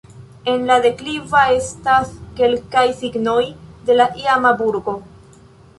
En la dekliva estas kelkaj signoj de la iama burgo.